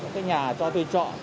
các nhà cho thuê chọn